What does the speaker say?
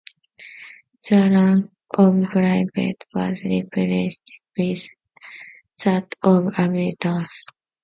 The rank of private was replaced with that of aviator.